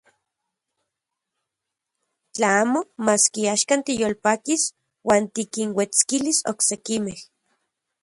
Tla amo, maski axkan tiyolpakis uan tikinuetskilis oksekimej.